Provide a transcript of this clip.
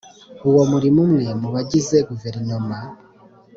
Uwo murimo umwe mu bagize guverinoma